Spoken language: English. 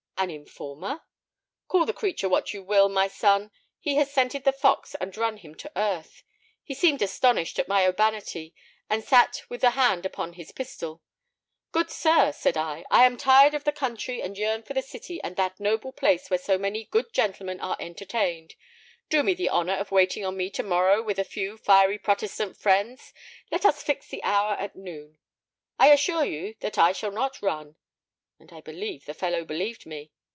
"An informer?" "Call the creature what you will, my son, he has scented the fox and run him to earth. He seemed astonished at my urbanity, and sat with a hand upon his pistol. 'Good sir,' said I, 'I am tired of the country, and yearn for the city and that noble place where so many good gentlemen are entertained. Do me the honor of waiting on me to morrow with a few fiery Protestant friends; let us fix the hour at noon. I assure you that I shall not run,' and I believe the fellow believed me.